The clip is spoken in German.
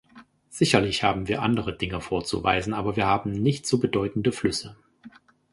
Sicherlich haben wir andere Dinge vorzuweisen, aber wir haben nicht so bedeutende Flüsse.